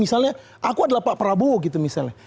misalnya aku adalah pak prabowo gitu misalnya